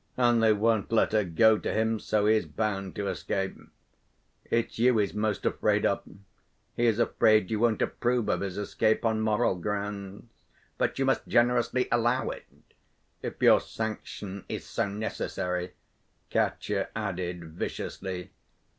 And they won't let her go to him, so he is bound to escape. It's you he's most afraid of, he is afraid you won't approve of his escape on moral grounds. But you must generously allow it, if your sanction is so necessary," Katya added viciously.